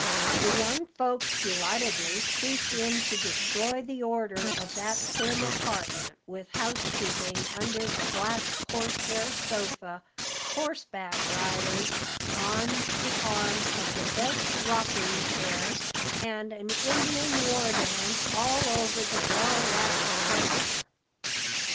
The young folks delightedly trooped in to destroy the order of that prim apartment with housekeeping under the black horse hair sofa, "horseback riders" on the arms of the best rocking chair, and an Indian war dance all over the well waxed furniture.